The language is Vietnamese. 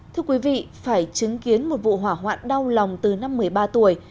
thưa quý vị phải chứng kiến một vụ hỏa hoạn đau lòng từ năm một mươi ba tuổi